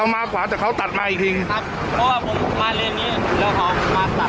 เรามาขวาแต่เขาตัดมาอีกทิ้งครับเพราะว่าผมมาเรียนนี้